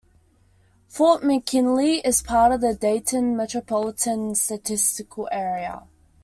Fort McKinley is part of the Dayton Metropolitan Statistical Area.